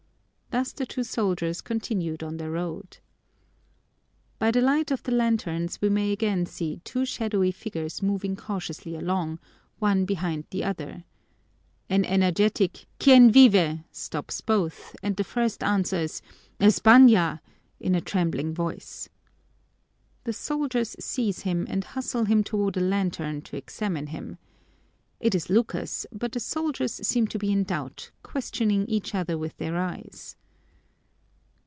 Thus the two soldiers continued on their round. By the light of the lanterns we may again see two shadowy figures moving cautiously along, one behind the other. An energetic "Quién vive?" stops both, and the first answers, "España!" in a trembling voice. The soldiers seize him and hustle him toward a lantern to examine him. It is Lucas, but the soldiers seem to be in doubt, questioning each other with their eyes.